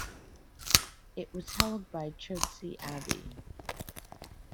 It was held by Chertsey Abbey.